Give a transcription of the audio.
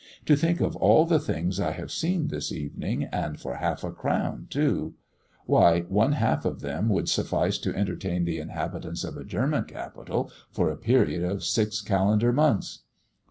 To think of all the things I have seen this evening, and for half a crown too. Why one half of them would suffice to entertain the inhabitants of a German capital for a period of six calendar months."